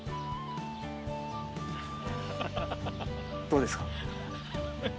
どうですか？